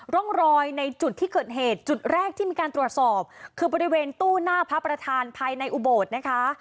ร่องรอยในจุดที่เกิดเหตุจุดแรกที่มีการตรวจสอบคือบริเวณตู้หน้าพระประธานภายในอุโบสถ์นะคะ